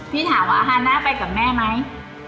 พี่ถามว่าฮาน่าไปกับแม่ไหม